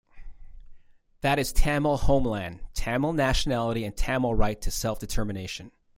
That is Tamil homeland, Tamil nationality and Tamil right to self-determination.